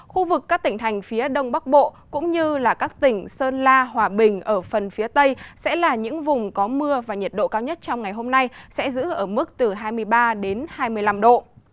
khu vực các tỉnh thành phía đông bắc bộ cũng như các tỉnh sơn la hòa bình ở phần phía tây sẽ là những vùng có mưa và nhiệt độ cao nhất trong ngày hôm nay sẽ giữ ở mức từ hai mươi ba hai mươi năm độ